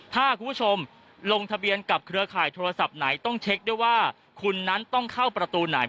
ถ้าคุณผู้ชมลงทะเบียนกับเครือข่ายโทรศัพท์ไหนต้องเช็คด้วยว่าคุณนั้นต้องเข้าประตูไหน